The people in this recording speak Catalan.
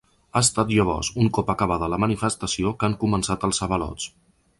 Ha estat llavors, un cop acabada la manifestació, que han començat els avalots.